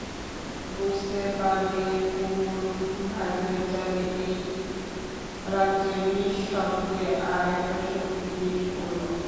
বুঝতে পারলে কুমুর ভাগ্যের জালে এই রাত্রে নিঃশব্দে আর-একটা শক্ত গিঁঠ পড়ল।